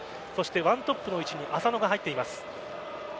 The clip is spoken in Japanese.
１トップの位置に浅野が入っています。